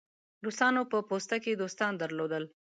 روسانو په پوسته کې دوستان درلودل.